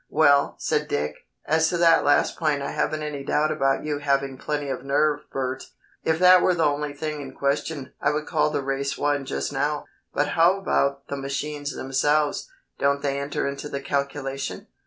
"Well," said Dick, "as to that last point I haven't any doubt about you having plenty of nerve, Bert. If that were the only thing in question I would call the race won just now, but how about the machines themselves? Don't they enter into the calculation?"